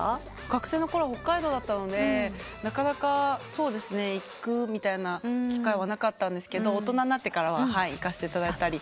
学生のころは北海道だったのでなかなか行く機会はなかったんですけど大人になってからは行かせていただいたり。